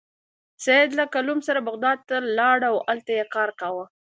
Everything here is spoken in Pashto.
سید له کلوم سره بغداد ته لاړ او هلته یې کار کاوه.